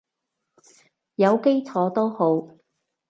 有基礎都好